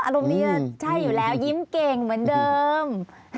อารมณ์นี้จะใช่อยู่แล้วยิ้มเก่งเหมือนเดิม